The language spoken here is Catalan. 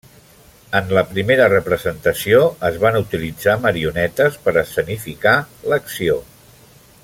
En la primera representació es van utilitzar marionetes per escenificar l'acció.